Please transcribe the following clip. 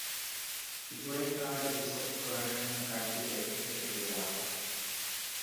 উপরের card reset করার সময় কার্ডটি ডেক থেকে সরিয়ে ফেলা হয়।